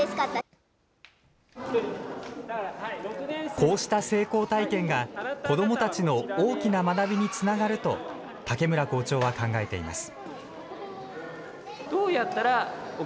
こうした成功体験が、子どもたちの大きな学びにつながると、竹村校長は考えています。